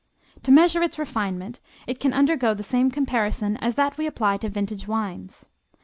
To measure its refinement, it can undergo the same comparison as that we apply to vintage wines.